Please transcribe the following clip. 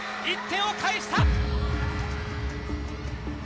１点を返した。